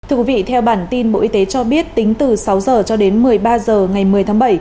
thưa quý vị theo bản tin bộ y tế cho biết tính từ sáu h cho đến một mươi ba h ngày một mươi tháng bảy